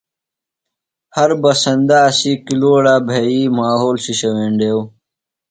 ہر بسندہ اسی کِلُوڑہ بھئ ماحول شِشہ ویننڈیو۔